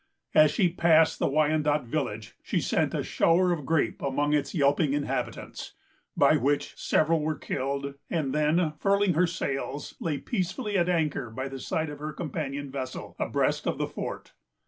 As she passed the Wyandot village, she sent a shower of grape among its yelping inhabitants, by which several were killed; and then, furling her sails, lay peacefully at anchor by the side of her companion vessel, abreast of the fort.